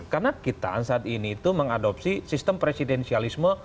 karena kita saat ini itu mengadopsi sistem presidensialisme